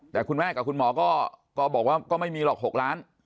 แต่คุณแม่กับคุณหมอก็บอกว่าก็ไม่มีหรอก๖ล้าน